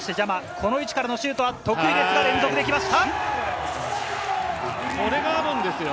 この位置からのシュートは得意ですが連続できました。